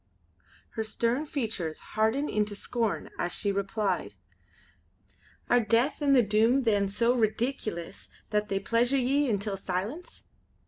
Her stern features hardened into scorn as she replied: "Are Death and the Doom then so redeekulous that they pleasure ye intil silence?"